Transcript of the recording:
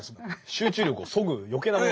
集中力をそぐ余計なもの。